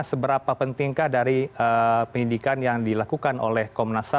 seberapa pentingkah dari pendidikan yang dilakukan oleh komunasab